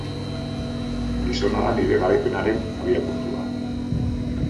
Gizona da nire garaipenaren abiapuntua.